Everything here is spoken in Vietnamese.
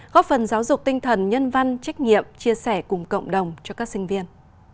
góp phần giáo dục tinh thần nhân văn trách nhiệm chia sẻ cùng cộng đồng cho các sinh viên